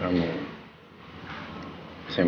semarah marahnya saya sama kamu